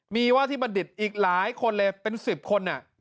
มีว่าที่บัณฑิตอีกหลายคนเลยเป็น๑๐คน